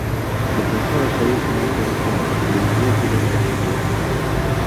Дык якая саюзная дзяржава, вы ўвогуле пра што?